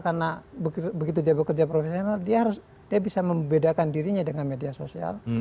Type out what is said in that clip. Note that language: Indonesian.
karena begitu dia bekerja profesional dia bisa membedakan dirinya dengan media sosial